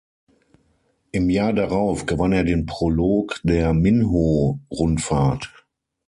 Im Jahr darauf gewann er den Prolog der Minho-Rundfahrt.